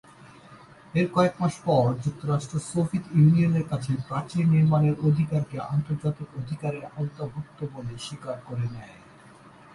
এর কয়েকমাস পর যুক্তরাষ্ট্র সোভিয়েত ইউনিয়নের কাছে প্রাচীর নির্মাণের অধিকারকে আন্তর্জাতিক অধিকারের আওতাভুক্ত বলে স্বীকার করে নেয়।